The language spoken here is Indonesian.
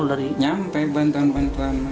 menyampaikan bantuan bantuan sama dia